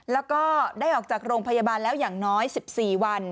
แล้วก็ได้ออกจากโรงพยาบาลแล้วอย่างน้อย๑๔วัน